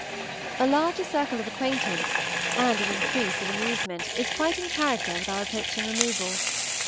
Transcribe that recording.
A larger circle of acquaintance, and an increase of amusement, is quite in character with our approaching removal.